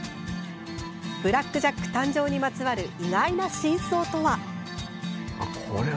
「ブラック・ジャック」誕生にまつわる意外な真相とは？